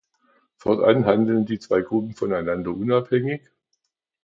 Fortan handeln die zwei Gruppen voneinander unabhängig.